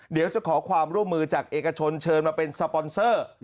เดี๋ยวจะขอความร่วมมือจากเอกชนเชิญมาเป็นสปอนเซอร์